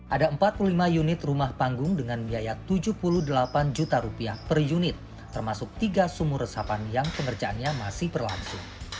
ada empat puluh lima unit rumah panggung dengan biaya rp tujuh puluh delapan juta rupiah per unit termasuk tiga sumur resapan yang pengerjaannya masih berlangsung